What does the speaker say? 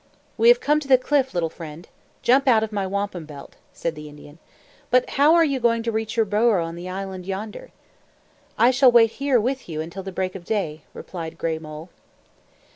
"We have come to the cliff, little friend. Jump out of my wampum belt," said the Indian. "But how are you going to reach your burrow on the island yonder?" "I shall wait here with you until the break of day," replied Gray Mole.